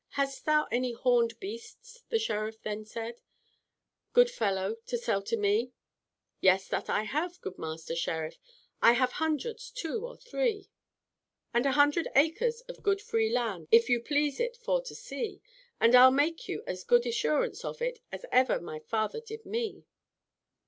"Hast thou any horned beasts, the Sheriff then said, Good fellow, to sell to me? Yes, that I have, good master Sheriff, I have hundreds two or three. "And a hundred acres of good free land, If you please it for to see; And I'll make you as good assurance of it, As ever my father did me."